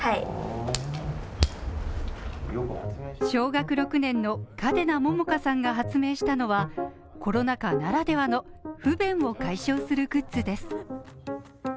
小学６年の嘉手納杏果さんが発明したのはコロナ禍ならではの不便を解消するグッズです